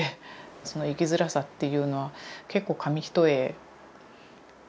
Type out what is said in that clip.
その生きづらさというのは結構紙一重で。